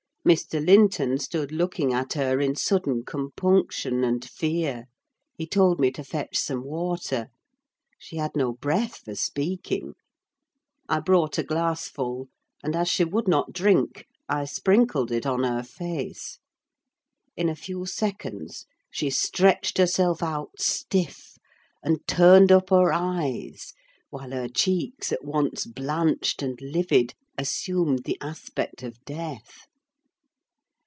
Mr. Linton stood looking at her in sudden compunction and fear. He told me to fetch some water. She had no breath for speaking. I brought a glass full; and as she would not drink, I sprinkled it on her face. In a few seconds she stretched herself out stiff, and turned up her eyes, while her cheeks, at once blanched and livid, assumed the aspect of death.